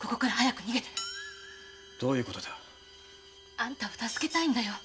あんたを助けたいんだよ。